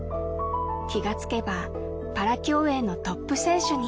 気が付けばパラ競泳のトップ選手に